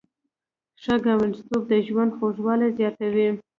ښه ګاونډیتوب د ژوند خوږوالی زیاتوي.